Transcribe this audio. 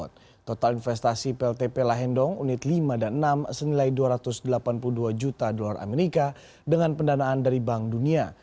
total investasi pltp lahendong unit lima dan enam senilai dua ratus delapan puluh dua juta dolar amerika dengan pendanaan dari bank dunia